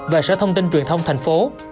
và sở thông tin truyền thông thành phố